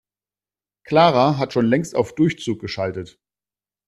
Clara hat schon längst auf Durchzug geschaltet.